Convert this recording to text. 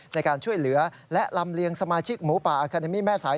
ในการช่วยเหลือและลำเลียงสมาชิกหมูป่าอาคาเดมี่แม่สาย